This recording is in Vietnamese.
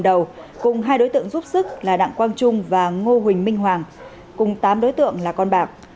đầu cùng hai đối tượng giúp sức là đặng quang trung và ngô huỳnh minh hoàng cùng tám đối tượng là con bạc